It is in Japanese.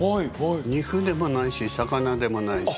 肉でもないし魚でもないし。